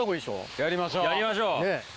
やりましょう。